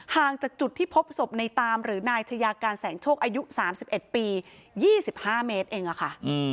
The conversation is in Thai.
ห่างจากจุดที่พบศพในตามหรือนายชายาการแสงโชคอายุ๓๑ปี๒๕เมตรเองค่ะ